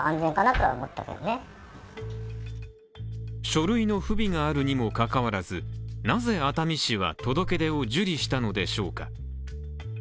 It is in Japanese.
書類の不備があるにもかかわらずなぜ熱海市は届け出を受理したのでしょうか。